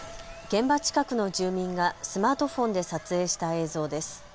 現場近くの住民がスマートフォンで撮影した映像です。